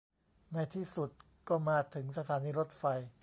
ในที่สุดก็มาถึงสถานีรถไฟ